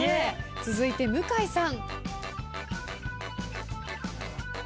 続いて向井さん。